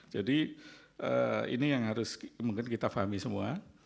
jadi ini yang harus mungkin kita pahami semua